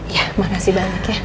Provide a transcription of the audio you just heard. iya makasih banyak ya